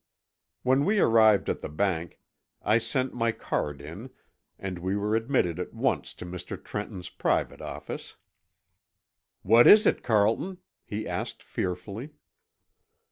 When we arrived at the bank I sent my card in, and we were admitted at once to Mr. Trenton's private office. "What is it, Carlton?" he asked fearfully.